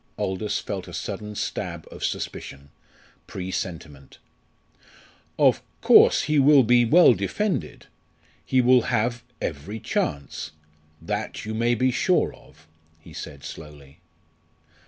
Aldous felt a sudden stab of suspicion presentiment. "Of course he will be well defended; he will have every chance; that you may be sure of," he said slowly.